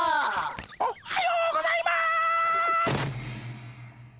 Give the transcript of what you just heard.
おっはようございます。